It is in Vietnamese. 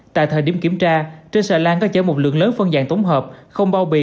tại thời điểm kiểm tra trên xà lan có chở một lượng lớn phân dạng tổng hợp không bao bì